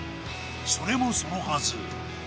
それもそのはず。